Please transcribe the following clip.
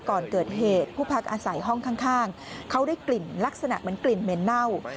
ก่อนเกิดเหตุผู้พักอาศัยห้องข้างเขาได้กลิ่นลักษณะเหมือนกลิ่นเหม็นเน่า